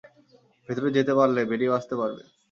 ভেতরে যেতে পারলে, বেরিয়েও আসতে পারবে।